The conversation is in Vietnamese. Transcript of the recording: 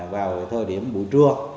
vào thời điểm buổi trưa